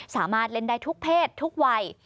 สามารถเล่นได้ทุกเพศทุกวัย